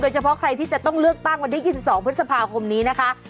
เฉพาะใครที่จะต้องเลือกตั้งวันที่๒๒พฤษภาคมนี้นะคะ